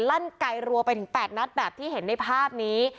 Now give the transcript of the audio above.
ลั่นไกลรัวไปถึง๘นัดแบบที่เห็นในภาพนี้